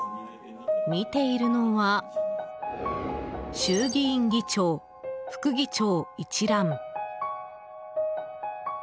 見ているのは衆議院議長・副議長一覧。